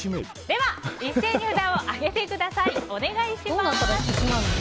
では、一斉に札を上げてください。